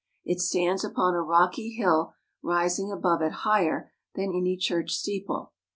It stands upon a rocky hill, rising above it higher than any church steeple.